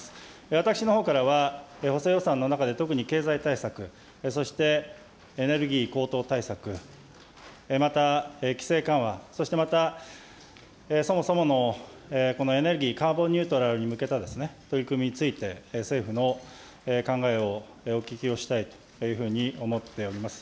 私のほうからは、補正予算の中で、特に経済対策、そしてエネルギー高騰対策、また規制緩和、そしてまたそもそものこのエネルギー、カーボンニュートラルに向けた取り組みについて、政府の考えをお聞きをしたいというふうに思っております。